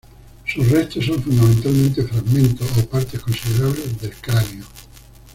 Sus restos son fundamentalmente fragmentos o partes considerables del cráneo.